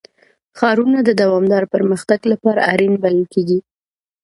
ښارونه د دوامداره پرمختګ لپاره اړین بلل کېږي.